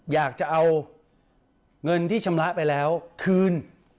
อยากจะเอาเงินที่ชำระไปแล้วคืน